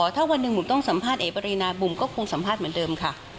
ถ้าวันหนึ่งบุ๋มต้องสัมภาษณเอกปรินาบุ๋มก็คงสัมภาษณ์เหมือนเดิมค่ะ